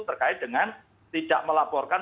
terkait dengan tidak melaporkan